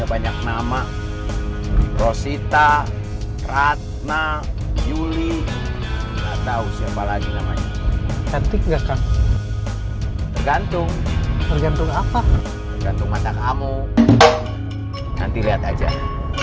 gak enak dilihat nih bakal kakak